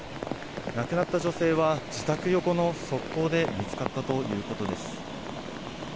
亡くなった女性は自宅横の側溝で見つかったということです。